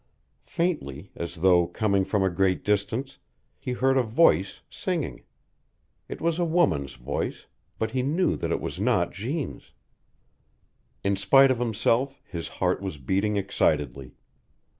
Faintly, as though coming from a great distance, he heard a voice singing. It was a woman's voice, but he knew that it was not Jeanne's. In spite of himself his heart was beating excitedly.